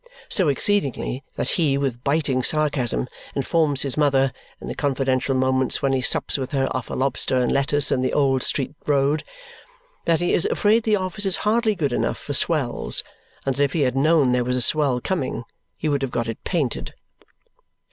So exceedingly that he with biting sarcasm informs his mother, in the confidential moments when he sups with her off a lobster and lettuce in the Old Street Road, that he is afraid the office is hardly good enough for swells, and that if he had known there was a swell coming, he would have got it painted.